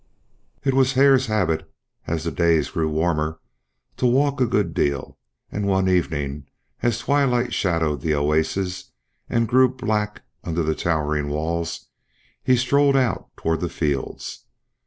It was Hare's habit, as the days grew warmer, to walk a good deal, and one evening, as twilight shadowed the oasis and grew black under the towering walls, he strolled out toward the fields.